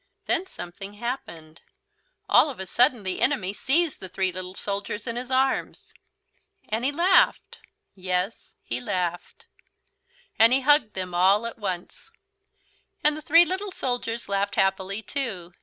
Then something happened. All of a sudden the enemy seized the three little soldiers in his arms. And he laughed! Yes, laughed. And hugged them all at once. And the three little soldiers laughed happily too.